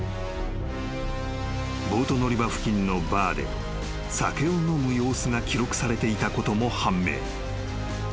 ［ボート乗り場付近のバーで酒を飲む様子が記録されていたことも判明］